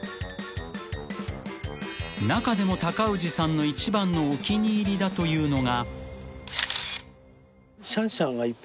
［中でも高氏さんの一番のお気に入りだというのが］